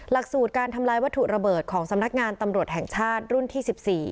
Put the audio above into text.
หลักสูตรการทำลายวัตถุระเบิดของสำนักงานตำรวจแห่งชาติรุ่นที่๑๔